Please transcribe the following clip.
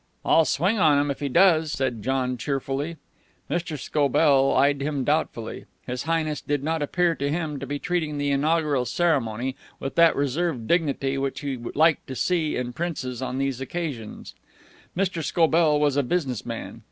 "I'll swing on him if he does," said John, cheerfully. Mr. Scobell eyed him doubtfully. His Highness did not appear to him to be treating the inaugural ceremony with that reserved dignity which we like to see in princes on these occasions. Mr. Scobell was a business man.